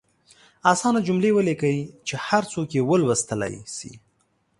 اسانه جملې ولیکئ چې هر څوک یې ولوستلئ شي.